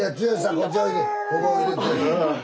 こっちおいでここおいで。